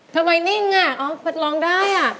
ทำไมนิ่งอ่ะอ๋อร้องได้อ่ะ